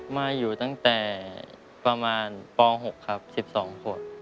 มาอยู่ตั้งแต่ประมาณป๖ครับ๑๒ขวบ